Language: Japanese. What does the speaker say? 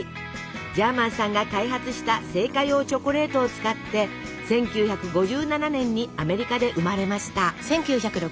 ジャーマンさんが開発した製菓用チョコレートを使って１９５７年にアメリカで生まれました。